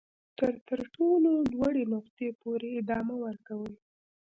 تر تر ټولو لوړې نقطې پورې ادامه ورکوي.